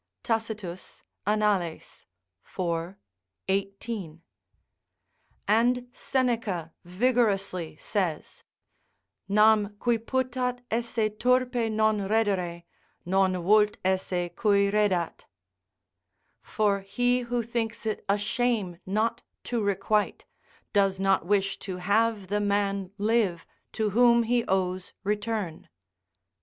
Tacitus, Annal., iv. 18.] and Seneca vigorously says: "Nam qui putat esse turpe non reddere, non vult esse cui reddat:" ["For he who thinks it a shame not to requite, does not wish to have the man live to whom he owes return."